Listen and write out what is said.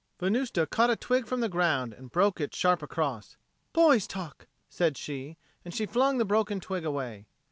Venusta caught a twig from the ground and broke it sharp across. "Boys' talk!" said she, and flung the broken twig away.